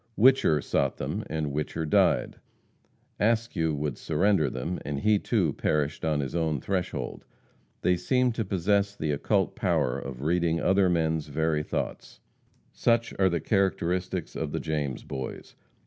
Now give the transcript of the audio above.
Whicher sought them and Whicher died; Askew would surrender them, and he, too, perished on his own threshold. They seem to possess the occult power of reading other men's very thoughts. Such are the characteristics of the James Boys.